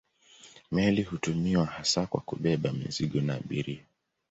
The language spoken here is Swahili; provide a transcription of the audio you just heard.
Meli hutumiwa hasa kwa kubeba mizigo na abiria.